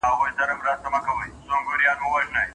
هغوی د نورو خبري په غور سره اوري.